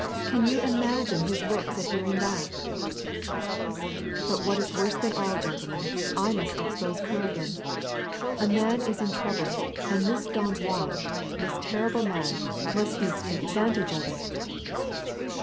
Can you imagine his looks at hearing that ?" "But what is worse than all, gentlemen, I must expose Ku ragin : a man is in trouble, and this Don Juan, this terrible man, must needs take advantage of it